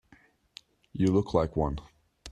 You look like one.